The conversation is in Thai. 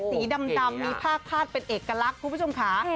สีดำมีผ้าคาดเป็นเอกลักษณ์คุณผู้ชมค่ะ